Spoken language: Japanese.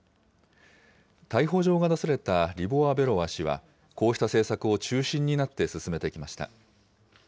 逮捕状が出されたリボワベロワ氏は、こうした政策を中心になって進めてきました。